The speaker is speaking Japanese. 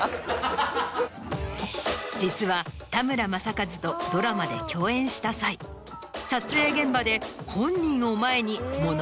実は田村正和とドラマで共演した際撮影現場で本人を前に。